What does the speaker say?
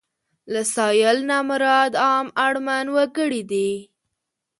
له سايل نه مراد عام اړمن وګړي دي.